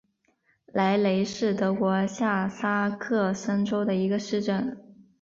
莱雷是德国下萨克森州的一个市镇。